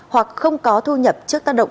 hoặc không có thu nhập trước tác động